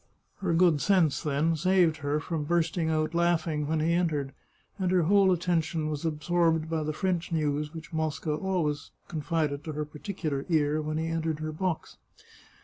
Her good sense, then, saved her from bursting out laughing when he entered, and her whole attention was ab sorbed by the French news which Mosca always confided to her particular ear when he entered her box.